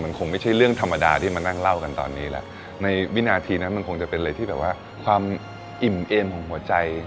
มันคงไม่ใช่เรื่องธรรมดาที่มานั่งเล่ากันตอนนี้แหละในวินาทีนั้นมันคงจะเป็นอะไรที่แบบว่าความอิ่มเอมของหัวใจ